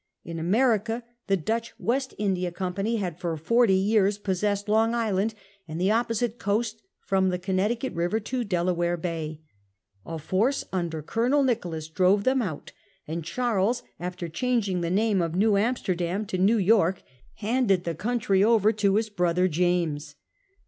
In America the Dutch West of the Dutch. j nc ij a Company had for forty years possessed Long Island and the opposite coast from the Connecticut River to Delaware Bay. A force under Colonel Nicholas drove them out, and Charles, after changing the name of New Amsterdam to New York, handed the country over to his brother James.